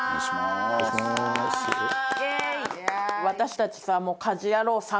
私たちさもう。